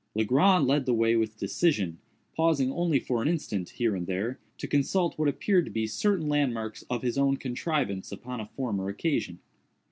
Legrand led the way with decision; pausing only for an instant, here and there, to consult what appeared to be certain landmarks of his own contrivance upon a former occasion.